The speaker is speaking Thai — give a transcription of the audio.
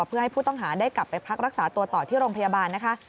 เพื่อให้ผู้ต้องหาได้กลับไปพักรักษาตัวต่อที่โรงพยาบาลนะคะ